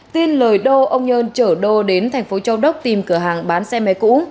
tin lời đô ông nhơn chở đô đến thành phố châu đốc tìm cửa hàng bán xe máy cũ